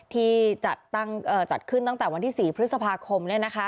ที่จัดขึ้นตั้งแต่วันที่๔พฤษภาคม